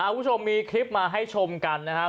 คุณผู้ชมมีคลิปมาให้ชมกันนะครับ